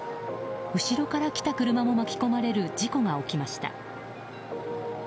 後ろから来た車も巻き込まれる事故が起きました。